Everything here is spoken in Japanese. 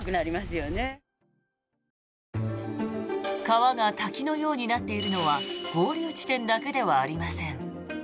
川が滝のようになっているのは合流地点だけではありません。